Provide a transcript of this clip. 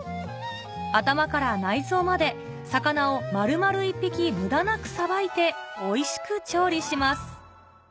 頭から内臓まで魚を丸々１匹無駄なくさばいておいしく調理します